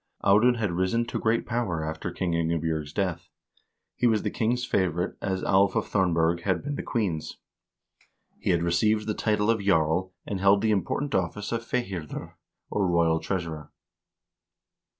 Audun had risen to great power after Queen Inge bj0rg's death. He was the king's favorite, as Alv of Thornberg had been the queen's. He had received the title of jarl, and held the important office of fihirdir, or royal treasurer.